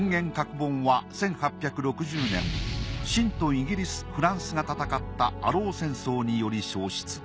本は１８６０年清とイギリスフランスが戦ったアロー戦争により焼失。